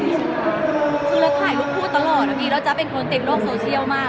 คือเราถ่ายลูกพูดตลอดอันนี้เราจะเป็นคนเต็มโลกโซเชียลมาก